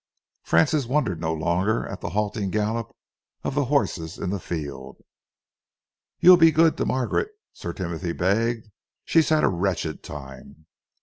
Francis wondered no longer at the halting gallop of the horses in the field. "You'll be good to Margaret?" Sir Timothy begged. "She's had a wretched time."